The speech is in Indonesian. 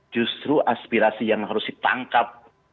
justru aspirasi yang harus ditangkap